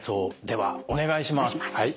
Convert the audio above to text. ではお願いします。